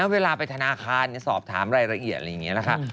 เวลาไปธนาคารสอบถามรายละเอียดอะไรอย่างนี้นะคะ